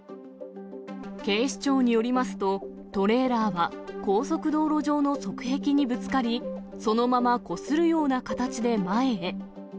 警視庁によりますと、トレーラーは高速道路上の側壁にぶつかり、そのままこするような形で前へ。